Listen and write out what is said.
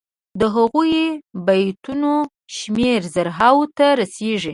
د هغو بیتونو شمېر زرهاوو ته رسيږي.